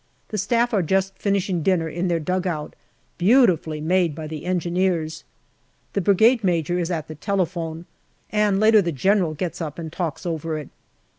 The Staff are just finishing dinner in their dugout beautifully made by the Engineers. The Brigade Major is at the telephone, and later the General gets up and talks over it.